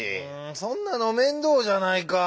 そんなの面倒じゃないかぁ。